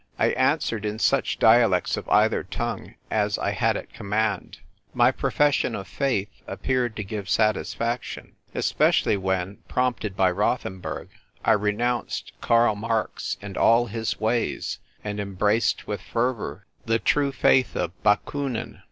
I answered in such dia lects of either tongue as I had at command. Mj' profession of faith appeared to give satis faction, especially when, prompted by Rothen burg, I renounced Karl Marx and all his ways, and embraced with fervour the true faith of Bakunin.